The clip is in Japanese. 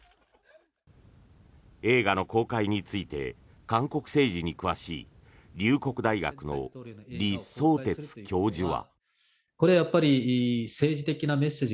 映画の公開について韓国政治に詳しい龍谷大学の李相哲教授は。